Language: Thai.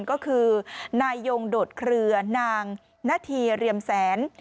ก็คือนายยงโดดเคลือนางนาธีเรียมแสน